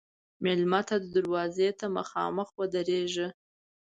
مېلمه ته دروازې ته مخامخ ودریږه.